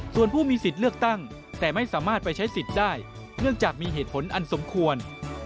ส่วนผู้มีสิทธิ์เลือกตั้งแต่ไม่สามารถไปใช้สิทธิ์ได้เนื่องจากมีเหตุผลอันสมควร